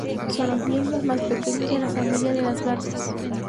Son los miembros más pequeños de la familia de las garzas.